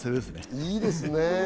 いいですね。